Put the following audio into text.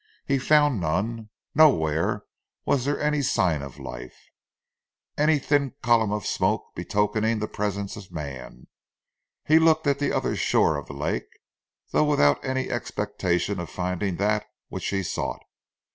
He found none, nowhere was there any sign of life; any thin column of smoke betokening the presence of man. He looked at the other shore of the lake, though without any expectation of finding that which he sought.